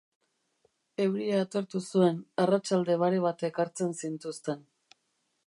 Euria atertu zuen, arratsalde bare batek hartzen zintuzten.